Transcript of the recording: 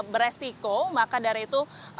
beresiko maka dari itu